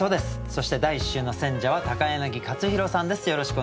そして第１週の選者は柳克弘さんです。